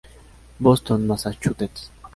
Boston, Massachusetts.